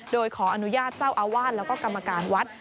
โดยขออนุญาตเจ้าอาวาสแล้วก็กรรมการวัด